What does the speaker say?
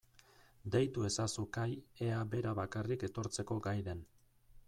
Deitu ezazu Kai ea bera bakarrik etortzeko gai den.